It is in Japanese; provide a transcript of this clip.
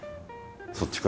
そっちか。